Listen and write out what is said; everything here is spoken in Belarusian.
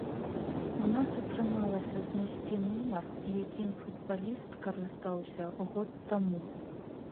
У нас атрымалася знайсці нумар, якім футбаліст карыстаўся год таму.